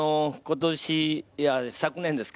今年、昨年ですか。